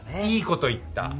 いいこと言った。